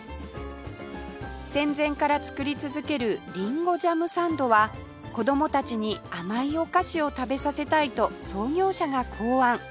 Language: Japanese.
戦前から作り続けるりんごジャムサンドは子供たちに甘いお菓子を食べさせたいと創業者が考案